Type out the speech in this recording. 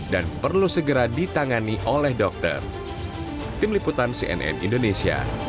dan perlu segera ditangani oleh dokter